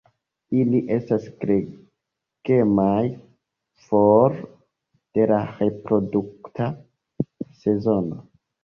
Ili estas gregemaj for de la reprodukta sezono.